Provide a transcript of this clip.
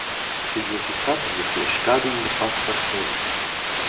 Tas ir ļoti satriecošs gadījums pats par sevi.